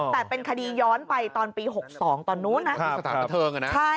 แต่เป็นคดีย้อนไปตอนปี๖๒ตอนนู้นนะ